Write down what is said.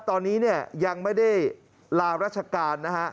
ตอนนี้เนี่ยยังไม่ได้ลารัชการนะฮะ